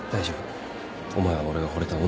お前は俺がほれた女だから。